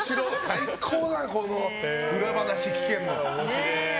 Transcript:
最高だな、裏話聞けるの。